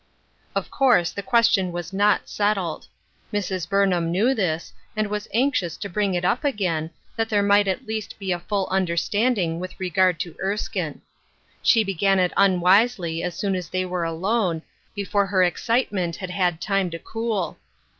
/^VF course the question was not settled. Mrs. ^^ Burnham knew this, and was anxious to bring it up again, that there might at least be a full understanding with regard to Erskine. She began it unwisely as soon as they were alone, be fore her excitement had had time to cool.